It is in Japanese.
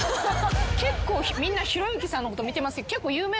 結構みんなひろゆきさんのこと見てます。